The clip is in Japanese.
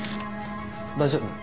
大丈夫？